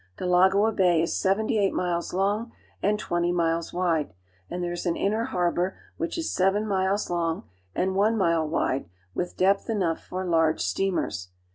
Del agoa Bay is seventy eight miles long and twenty miles wide, and there is an inner harbor which is seven miles long and one mile wide with depth enough for large steamers.